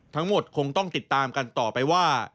ทั้งหมดคงต้องติดตามกันต่อไปว่า